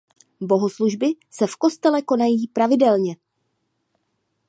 Bohoslužby se v kostele konají pravidelně.